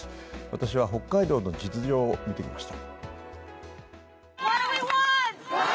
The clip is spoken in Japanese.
私は北海道の実情を見てきました。